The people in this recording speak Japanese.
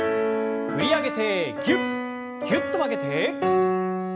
振り上げてぎゅっぎゅっと曲げて。